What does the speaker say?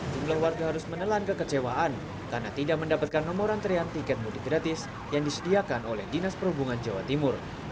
jumlah warga harus menelan kekecewaan karena tidak mendapatkan nomor antrean tiket mudik gratis yang disediakan oleh dinas perhubungan jawa timur